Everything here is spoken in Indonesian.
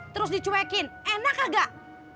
terus dicuekin enak kagak